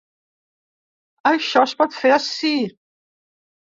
Això es pot fer ací.